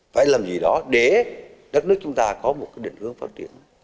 phải làm gì đó để đất nước chúng ta có một cái định hướng phát triển